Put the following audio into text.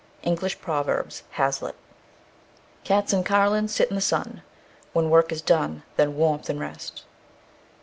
English Proverbs, HAZLITT. Cats and Carlins sit in the sun. When work is done then warmth and rest.